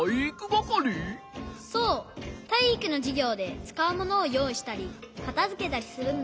そうたいいくのじゅぎょうでつかうものをよういしたりかたづけたりするんだ。